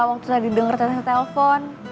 waktu tadi denger teteh telepon